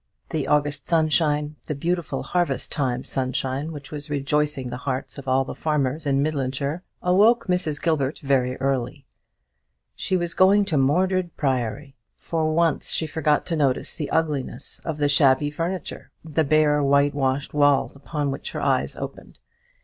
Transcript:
The August sunshine the beautiful harvest time sunshine which was rejoicing the hearts of all the farmers in Midlandshire awoke Mrs. Gilbert very early. She was going to Mordred Priory. For once she forgot to notice the ugliness of the shabby furniture, the bare whitewashed walls upon which her eyes opened.